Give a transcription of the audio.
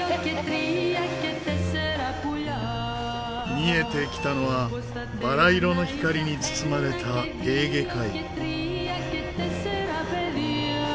見えてきたのはバラ色の光に包まれたエーゲ海。